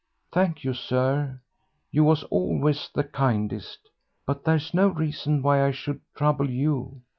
"Thank you, sir; you was always the kindest, but there's no reason why I should trouble you.